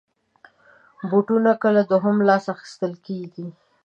بوټونه کله دوهم لاس اخېستل کېږي.